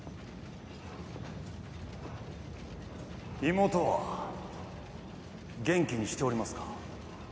妹は元気にしておりますか？